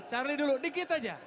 carly dulu dikit aja